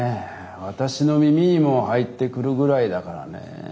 私の耳にも入ってくるぐらいだからね